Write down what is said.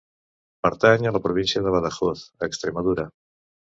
Pertany a la província de Badajoz, a Extremadura.